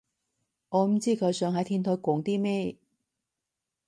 我唔知佢想喺天台講啲咩